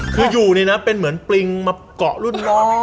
คืออยู่นี่นะเป็นเหมือนปริงมาเกาะรุ่นน้อง